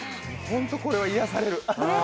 ホント、これは癒やされる。